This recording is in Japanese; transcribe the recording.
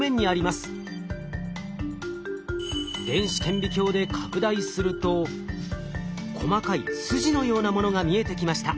電子顕微鏡で拡大すると細かい筋のようなものが見えてきました。